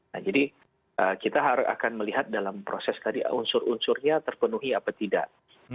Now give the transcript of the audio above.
nah jadi kita akan melihat dalam proses tadi unsur unsurnya terpenuhi apa tidak